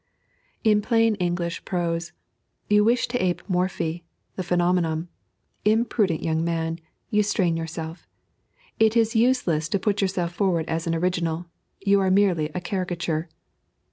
In plain English prose "You wish to ape Morphy, the phenomenon; imprudent young man, you strain yourself. It is useless to put yourself forward as an original; you are merely a caricature."